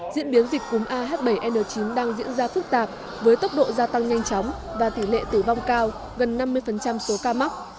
diễn biến dịch cúm ah bảy n chín đang diễn ra phức tạp với tốc độ gia tăng nhanh chóng và tỷ lệ tử vong cao gần năm mươi số ca mắc